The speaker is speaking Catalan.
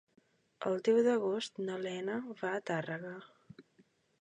El deu d'agost na Lena va a Tàrrega.